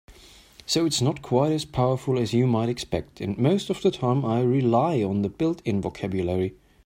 So it's not quite as powerful as you might expect, and most of the time I rely on the built-in vocabulary.